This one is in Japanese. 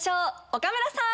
岡村さん。